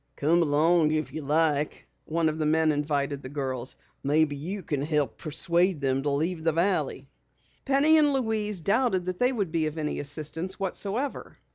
"Come along if you like," one of the men invited the girls. "Maybe you can help persuade them to leave the valley." Penny and Louise doubted that they would be of any assistance whatsoever.